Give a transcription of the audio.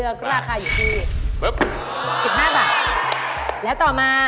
พึ๊บ๑๖บาท